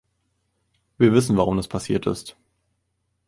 Wir wissen, warum das passiert ist.